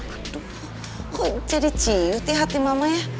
aduh kok jadi ciut ya hati mamanya